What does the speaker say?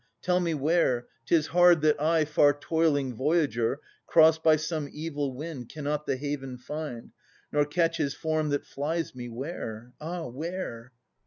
tell me where! 'Tis hard that I, far toiling voyager, Crossed by some evil wind, Cannot the haven find. Nor catch his form that flies me, where ? ah ! where